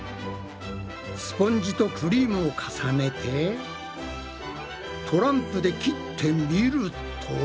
スポンジとクリームを重ねてトランプで切ってみると。